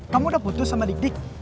kamu udah putus sama dik dik